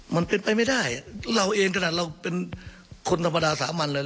มันเป็นไปไม่ได้เราเองขนาดเราเป็นคนธรรมดาสามัญเลย